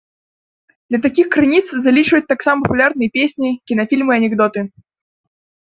Да такіх крыніц залічваюць таксама папулярныя песні, кінафільмы, анекдоты.